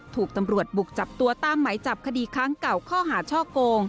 ถูกตำรวจบุกจับตัวตามไหมจับคดีค้างเก่าข้อหาช่อโกง